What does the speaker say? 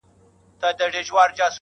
چي قاضي ته چا ورکړئ دا فرمان دی,